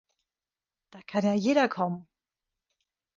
Da kann ja jeder kommen!